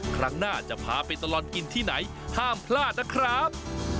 ครั้งหน้าจะพาไปตลอดกินที่ไหนห้ามพลาดนะครับ